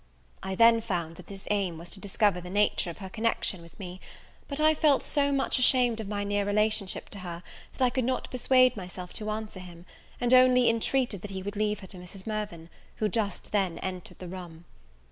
I then found that his aim was to discover the nature of her connection with me; but I felt so much ashamed of my near relationship to her, that I could not persuade myself to answer him, and only intreated that he would leave her to Mrs. Mirvan, who just then entered the room.